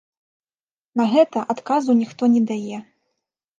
На гэта адказу ніхто не дае.